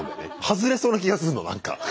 外れそうな気がするのなんか。